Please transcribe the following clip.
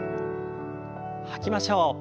吐きましょう。